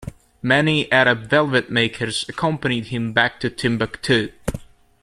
Many Arab velvet makers accompanied him back to Timbuktu.